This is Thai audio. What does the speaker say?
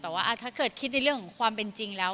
แต่ว่าถ้าเกิดคิดในเรื่องของความเป็นจริงแล้ว